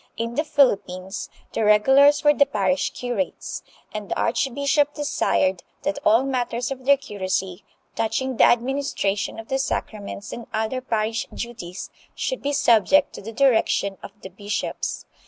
In the Philippines the regulars were the parish curates, and the archbishop desired that all matters of their curacy, touch ing the administration of the sacraments and other parish duties, should be subject to the direction of the bishops.